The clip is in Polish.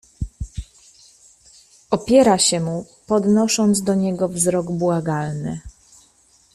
"Opiera się mu, podnosząc do niego wzrok błagalny."